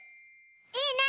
いいね！